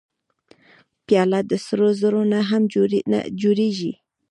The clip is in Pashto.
پیاله د سرو زرو نه هم جوړېږي.